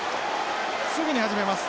すぐに始めます。